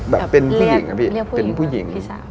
เป็นผู้หญิงนะพี่เป็นผู้หญิง